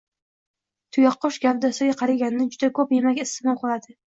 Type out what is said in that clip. Tuyaqush gavdasiga qaraganda juda ko‘p yemak iste’mol qiladi